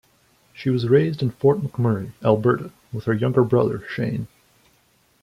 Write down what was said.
She was raised in Fort McMurray, Alberta, with her younger brother, Shane.